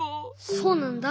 そうなんだ。